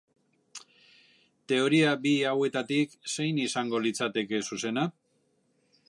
Teoria bi hauetatik zen izango litzateke zuzena?